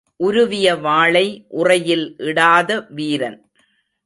உருவிய வாளை உறையில் இடாத வீரன்.